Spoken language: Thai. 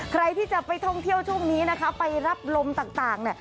ใครที่จะไปท่องเที่ยวช่วงนี้นะคะไปรับลมต่างเนี่ย